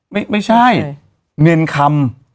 มี่ใช่เนลคล้ำ